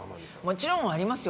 もちろんありますよ。